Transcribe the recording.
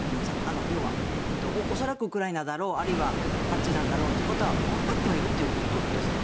要は恐らくウクライナだろうあるいはパルチザンだろうってことはわかってはいるということですか？